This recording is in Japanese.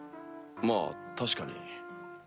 まぁ確かに。